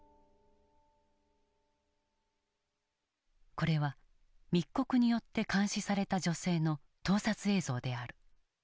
これは密告によって監視された女性の盗撮映像である。